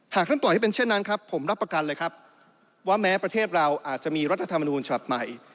หากท่านปล่อยให้เป็นเช่นนั้นครับผมรับประกันเลยครับว่าแม้ประเทศเราอาจจะมีรัฐธรรมนูญฉบับใหม่